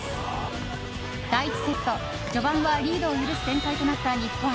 第１セット、序盤はリードを許す展開となった日本。